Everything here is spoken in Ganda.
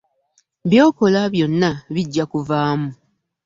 Byokola byonna bijja kuvaamu.